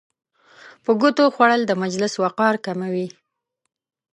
په ګوتو خوړل د مجلس وقار کموي.